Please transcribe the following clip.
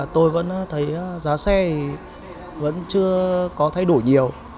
tôi vẫn thấy giá xe thì vẫn chưa có thay đổi nhiều